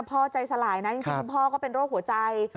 พ่อใจสลายนะจริงคุณพ่อก็เป็นโรคหัวใจ